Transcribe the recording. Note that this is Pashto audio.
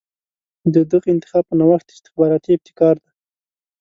د دغه انتخاب په نوښت استخباراتي ابتکار دی.